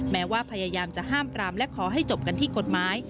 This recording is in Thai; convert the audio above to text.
แม้ว่าพยายามจะห้ามปรามและขอให้จบกันที่กฎหมาย